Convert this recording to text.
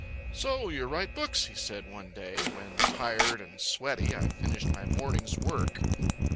"So you write books," he said, one day when, tired and sweaty, I finished my morning's work.